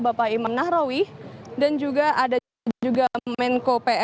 bapak iman nahrawi dan juga ada juga menko psi